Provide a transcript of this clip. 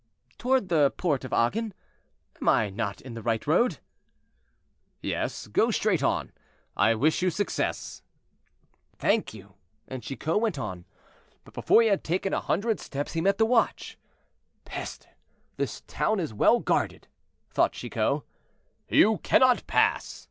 "Toward the Porte of Agen. Am I not in the right road?" "Yes, go straight on; I wish you success." "Thank you;" and Chicot went on. But before he had taken a hundred steps he met the watch. "Peste! this town is well guarded," thought Chicot. "You cannot pass!"